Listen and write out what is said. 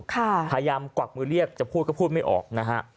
พยายามกวักมือเรียกจะพูดก็พูดไม่ออกนะฮะ